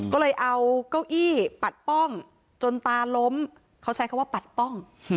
ก็เลยเอาเก้าอี้ปัดป้องจนตาล้มเขาใช้คำว่าปัดป้อง